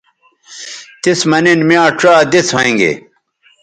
تس مہ نن میاں ڇا دس ھوینگے